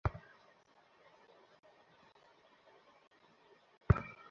যাক এখন তাহলে তারাও তোমার জীবনের অংশ হয়ে গেছে।